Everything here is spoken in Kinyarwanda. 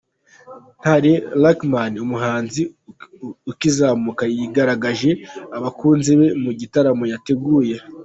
Ntare Luckman umuhanzi ukizamuka yigaragarije abakunzi be mu gitaramo yateguye.